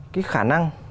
cái khả năng